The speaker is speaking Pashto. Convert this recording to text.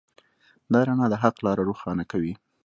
دا رڼا د حق لاره روښانه کوي.